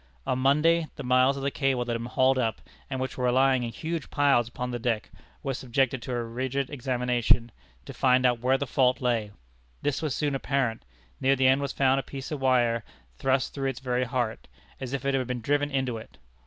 On Monday, the miles of cable that had been hauled up, and which were lying in huge piles upon the deck, were subjected to a rigid examination, to find out where the fault lay. This was soon apparent. Near the end was found a piece of wire thrust through its very heart, as if it had been driven into it.